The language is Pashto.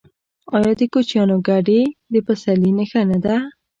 آیا د کوچیانو کډې د پسرلي نښه نه ده؟